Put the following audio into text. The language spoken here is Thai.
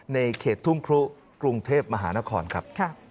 ในเขตทุ่งครุกรุงเทพมหานครครับ